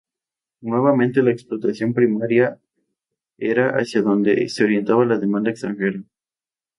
Nuevamente la explotación primaria era hacia donde se orientaba la demanda extranjera.